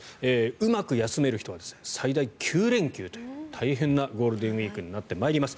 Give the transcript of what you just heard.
うまく休める人は最大９連休という大変なゴールデンウィークになってまいります。